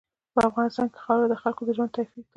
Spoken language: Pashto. په افغانستان کې خاوره د خلکو د ژوند کیفیت تاثیر کوي.